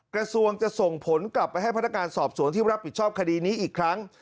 กระทรวงจะส่งผลกลับไปให้พนักงานสอบสวนที่รับผิดชอบคดีนี้อีกครั้ง